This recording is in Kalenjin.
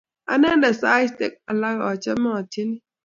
Anendet saistek alak achame atyeni.